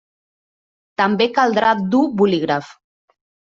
També caldrà dur bolígraf.